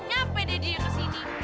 nyampe deh dia ke sini